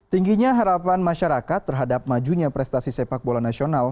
tingginya harapan masyarakat terhadap majunya prestasi sepak bola nasional